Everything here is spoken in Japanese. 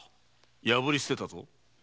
破り捨てたぞ。